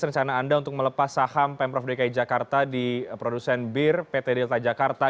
rencana anda untuk melepas saham pemprov dki jakarta di produsen bir pt delta jakarta